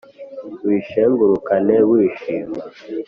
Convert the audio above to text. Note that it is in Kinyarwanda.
uyishengurukane wishima